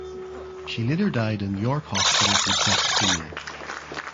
She later died in York Hospital from septicaemia.